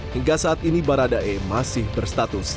hingga saat ini barada re masih berstatus